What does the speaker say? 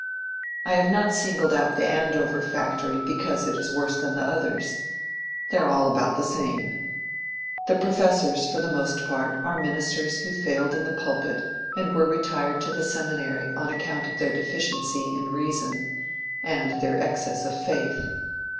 I have not singled out the Andover factory because it is worse than the others. They are all about the same. The professors, for the most part, are ministers who failed in the pulpit and were retired to the seminary on account of their deficiency in reason and their excess of faith.